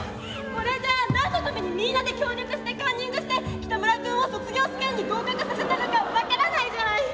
これじゃあ何のためにみんなで協力してカンニングしてキタムラ君を卒業試験に合格させたのか分からないじゃない！」。